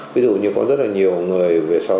ví dụ như có rất là nhiều người về sau